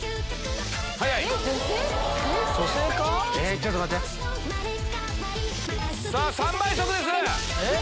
ちょっと待って⁉さぁ３倍速です！